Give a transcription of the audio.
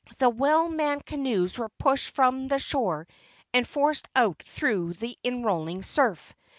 The well manned canoes were pushed from the shore and forced out through the inrolling surf.